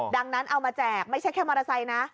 ดังนั้นเอามาแจกไม่ใช่แค่มอเตอร์ไซค์นะ